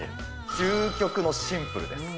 究極のシンプルです。